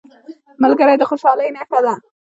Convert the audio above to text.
ملګری د خوشحالۍ نښه ده